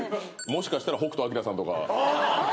もしかしたら北斗晶さんとか。